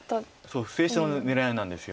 捨て石の狙いなんです。